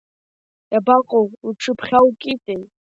Иабаҟоу, уҽыԥхьаукитеи.